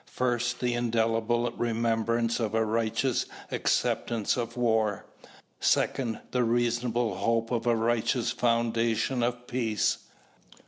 First, the indelible remembrance of a righteous acceptance of war. Second, the reasonable hope of a righteous foundation of peace.